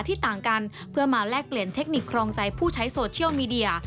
ต่างกันเพื่อมาแลกเปลี่ยนเทคนิคครองใจผู้ใช้โซเชียลมีเดีย